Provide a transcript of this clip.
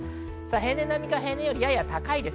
平年並みか平年よりやや高いです。